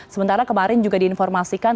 sementara kemarin juga diinformasikan